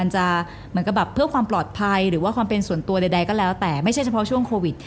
จะเหมือนกับแบบเพื่อความปลอดภัยหรือว่าความเป็นส่วนตัวใดก็แล้วแต่ไม่ใช่เฉพาะช่วงโควิด